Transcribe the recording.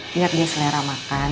biar dia selera makan